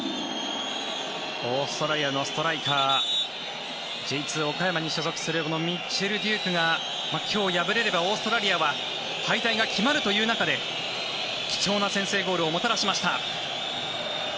オーストラリアのストライカーＪ２、岡山に所属するミッチェル・デュークが今日敗れればオーストラリアは敗退が決まるという中で貴重な先制ゴールをもたらしました。